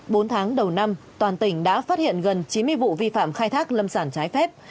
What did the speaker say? bốn tháng đầu năm toàn tỉnh đã phát hiện gần chín mươi vụ vi phạm khai thác lâm sản trái phép